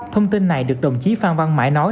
thông tin này được đồng chí phan văn mãi nói